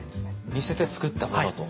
似せて作ったものと。